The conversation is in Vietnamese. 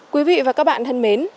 quý vị và các bạn thân mến